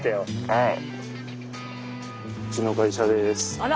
はい。